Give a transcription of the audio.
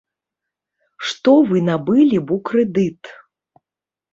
Што вы набылі б у крэдыт?